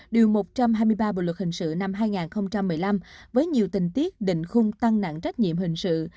điều một trăm hai mươi ba bộ luật hình sự năm hai nghìn một mươi năm với nhiều tình tiết định khung tăng nặng trách nhiệm hình sự